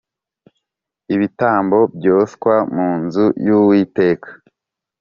ibitambo byoswa mu nzu y Uwiteka